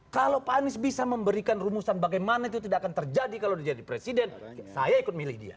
kalau pak anies bisa memberikan rumusan bagaimana itu tidak akan terjadi kalau dia jadi presiden saya ikut milih dia